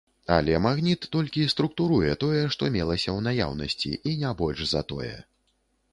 Але магніт толькі структуруе тое, што мелася ў наяўнасці, і не больш за тое.